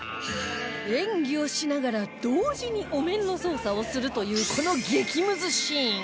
演技をしながら同時にお面の操作をするというこの激ムズシーン